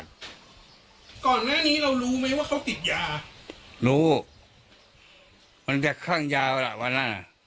ก่อนแม่นี้เรารู้ไหมว่าเขาติดยารู้มันแจกข้างยาเวลาวันนั้นอ่ะ